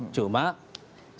cuma sekarang kita sampai di dalam